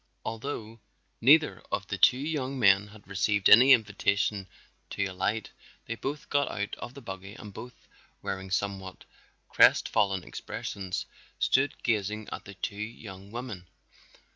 Although neither of the two young men had received any invitation to alight, they both got out of the buggy and both wearing somewhat crestfallen expressions, stood gazing at the two young women.